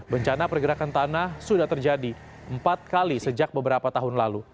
bencana pergerakan tanah sudah terjadi empat kali sejak beberapa tahun lalu